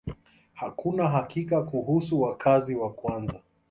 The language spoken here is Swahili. Hakuna hakika kuhusu wakazi wa kwanza.